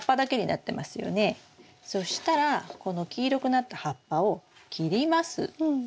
そしたらこの黄色くなった葉っぱを切ります。